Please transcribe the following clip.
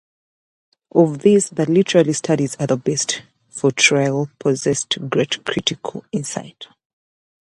Of these the literary studies are the best, for Traill possessed great critical insight.